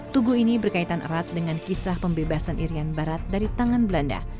tugu ini berkaitan erat dengan kisah pembebasan irian barat dari tangan belanda